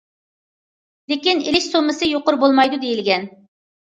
لېكىن، ئېلىش سوممىسى يۇقىرى بولمايدۇ، دېيىلگەن.